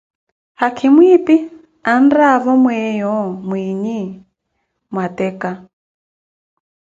Haakhimo phi anraavo myeeyo mwiiyi mwa ttekka